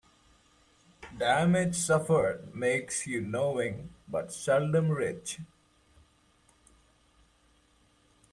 Damage suffered makes you knowing, but seldom rich.